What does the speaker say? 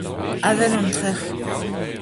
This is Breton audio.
Avel an trec'h !